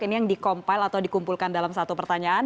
ini yang dikumpulkan dalam satu pertanyaan